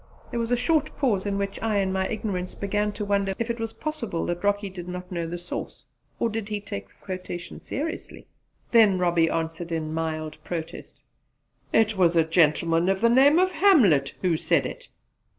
There was a short pause in which I, in my ignorance, began to wonder if it was possible that Rocky did not know the source; or did he take the quotation seriously? Then Robbie answered in mild protest: "It was a gentleman of the name of Hamlet who said it."